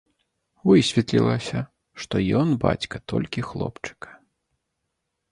Высветлілася, што ён бацька толькі хлопчыка.